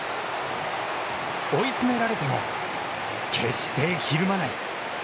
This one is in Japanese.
追い詰められても決してひるまない。